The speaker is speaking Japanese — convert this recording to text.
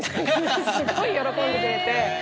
すごい喜んでくれて。